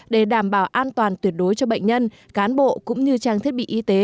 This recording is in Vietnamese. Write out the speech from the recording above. để đảm bảo an toàn tuyệt đối cho bệnh nhân cán bộ cũng như trang thiết bị y tế